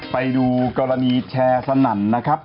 ไปดูกรณีแชร์สนั่นนะครับ